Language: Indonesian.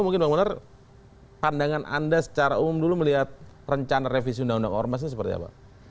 mungkin bang munar pandangan anda secara umum dulu melihat rencana revisi undang undang ormas ini seperti apa